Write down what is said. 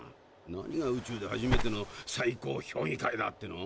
何が宇宙で初めての最高評議会だっての。